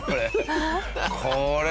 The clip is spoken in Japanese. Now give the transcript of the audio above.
これ。